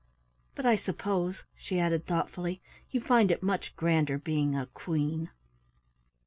But I suppose," she added thoughtfully, "you find it much grander being a Queen?"